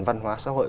văn hóa xã hội